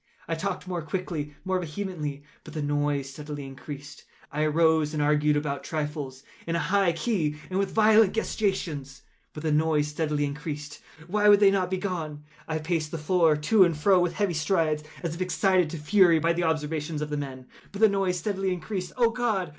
I talked more quickly—more vehemently; but the noise steadily increased. I arose and argued about trifles, in a high key and with violent gesticulations; but the noise steadily increased. Why would they not be gone? I paced the floor to and fro with heavy strides, as if excited to fury by the observations of the men—but the noise steadily increased. Oh God!